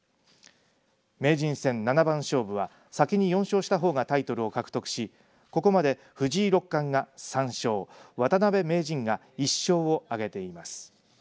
名人戦七番勝負は先に４勝した方がタイトルを獲得しここまで藤井六冠が３勝渡辺名人が１勝をあげています。